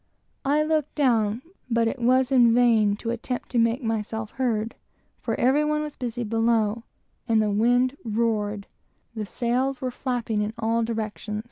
I looked down, but it was in vain to attempt to make myself heard, for every one was busy below, and the wind roared, and sails were flapping in every direction.